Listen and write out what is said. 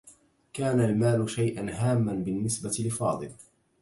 كان المال شيئا هامّا بالنّسبة لفاضل.